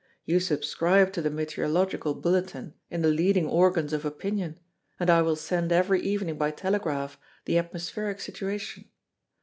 You subscribe to the meteorological bulletin in the leading organs of opinion, and I will send every evening by telegraph the atmospheric situation.